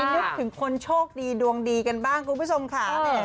นึกถึงคนโชคดีดวงดีกันบ้างคุณผู้ชมค่ะ